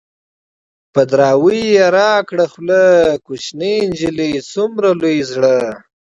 په دراوۍ يې راکړه خوله - کوشنی نجلۍ څومره لوی زړه